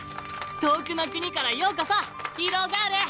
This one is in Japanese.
遠くの国からようこそヒーローガール！